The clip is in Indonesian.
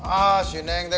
ah si neng teh